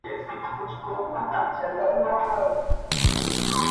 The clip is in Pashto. • ته به ولي پر سره اور بریانېدلای -